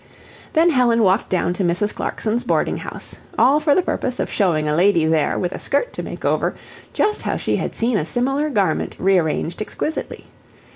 Then Helen walked down to Mrs. Clarkson's boarding house, all for the purpose of showing a lady there with a skirt to make over just how she had seen a similar garment rearranged exquisitely.